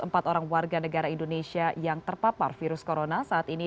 empat orang warga negara indonesia yang terpapar virus corona saat ini